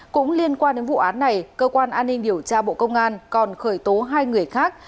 cũng liên quan đến vụ án này cơ quan an ninh điều tra bộ công an còn khởi tố hai người khác